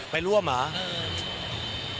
ไปร่วมเหรอ